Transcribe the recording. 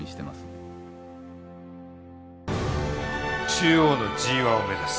中央のＧⅠを目指す。